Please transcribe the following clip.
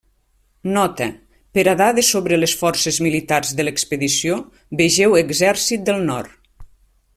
Nota: per a dades sobre les forces militars de l'expedició, vegeu Exèrcit del Nord.